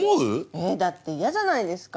⁉えっだって嫌じゃないですか？